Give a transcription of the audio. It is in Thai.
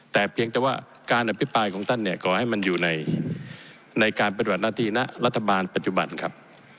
แต่เพียงแต่ว่าการอภิปรายของท่านเนี่ยขอให้มันอยู่ในการปฏิบัติหน้าที่ณรัฐบาลปัจจุบันครับ